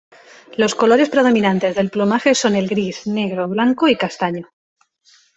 Los colores predominantes del plumaje son el gris, negro, blanco y castaño.